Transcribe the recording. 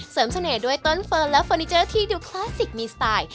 เสน่ห์ด้วยต้นเฟิร์นและเฟอร์นิเจอร์ที่ดูคลาสสิกมีสไตล์